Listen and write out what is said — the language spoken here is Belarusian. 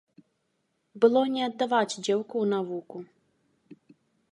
Было не аддаваць дзеўку ў навуку.